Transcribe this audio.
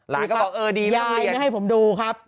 ยายก็บอกเออดีนี่ต้องเรียนหลานรึยายก็บอกไว้ให้ผมดูครับ